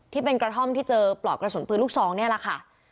ที่เป็นกระท่อมที่เจอปลอกกระสุนปืนลูกซองนี่แหละค่ะ